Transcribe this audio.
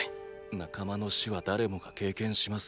仲間の死は誰もが経験します。